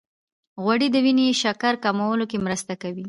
غوړې د وینې شکر کمولو کې مرسته کوي.